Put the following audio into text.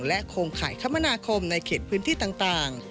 โครงข่ายคมนาคมในเขตพื้นที่ต่าง